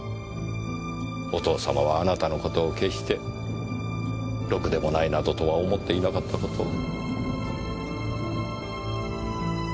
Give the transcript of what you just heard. お父様はあなたの事を決してろくでもないなどとは思っていなかった事を。